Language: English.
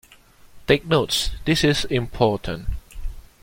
Take notes; this is important.